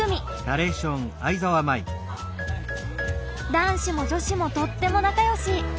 男子も女子もとっても仲良し。